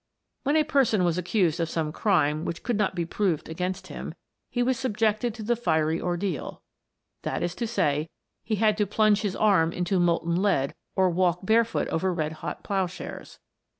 When a person was accused of some crime which could not be proved against him, he was subjected to the fiery ordeal, that is to say, he had to plunge his arm into molten lead or walk barefooted over red hot ploughshares.